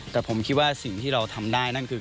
แต่ผมคิดว่าสิ่งที่เราทำได้นั่นคือ